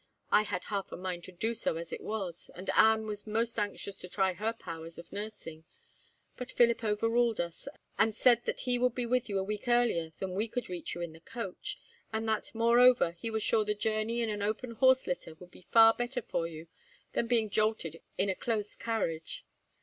I had half a mind to do so as it was, and Anne was most anxious to try her powers of nursing, but Philip overruled us, and said that he would be with you a week earlier than we could reach you in the coach, and that, moreover, he was sure the journey in an open horse litter would be far better for you than being jolted in a close carriage.